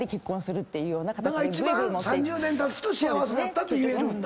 が一番３０年たつと幸せだったと言えるんだ。